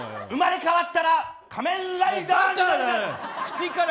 生まれ変わったら仮面ライダーになりたい。